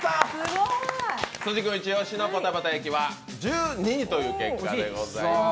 辻君イチ押しのぽたぽた焼は１２位という結果でございます。